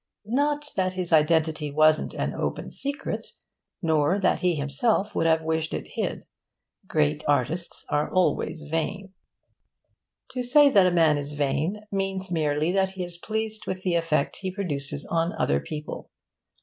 Not that his identity wasn't an open secret, nor that he himself would have wished it hid. Great artists are always vain. To say that a man is vain means merely that he is pleased with the effect he produces on other people.